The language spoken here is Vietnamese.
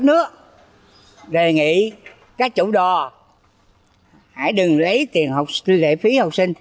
nếu chúng ta biết cho đi